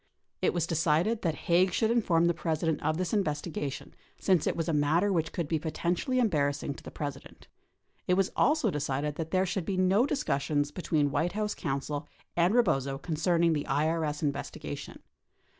It was decided that Haig should inform the President of this investigation since it was a matter which could be potentially em barrassing to the President. It was also decided that there should be no discussions between White House counsel and Eebozo concerning the IES investigation.